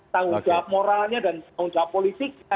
tanggung jawab moralnya dan tanggung jawab politiknya